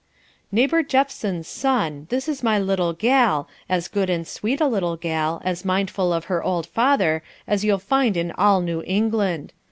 "Neighbour Jephson's son, this is my little gal, as good and sweet a little gal, as mindful of her old father, as you'll find in all New England.